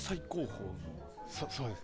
そうです。